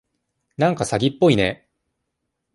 なんか詐欺っぽいね。